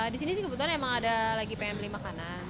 disini sih kebetulan emang ada lagi pengen beli makanan